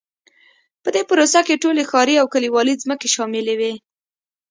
په دې پروسه کې ټولې ښاري او کلیوالي ځمکې شاملې وې.